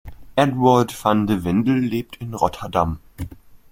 Edward van de Vendel lebt in Rotterdam.